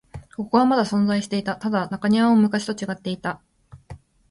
ここはまだ存在していた。ただ、中庭も昔と違っていた。